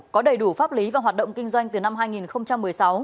có đầy đủ pháp lý và hoạt động kinh doanh từ năm hai nghìn một mươi sáu